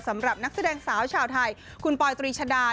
สำหรับนักแสดงสาวชาวไทยคุณปอยตรีชดา